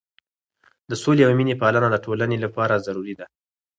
د سولې او مینې پالنه د ټولنې لپاره ضروري ده.